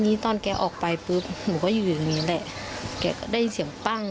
นี่ตอนแกออกไปปุ๊บหนูก็อยู่อย่างนี้แหละแกก็ได้ยินเสียงปั้ง